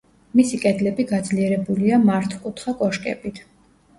მისი კედლები გაძლიერებულია მართკუთხა კოშკებით.